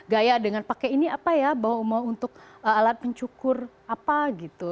gaya dengan pakai ini apa ya bau mau untuk alat pencukur apa gitu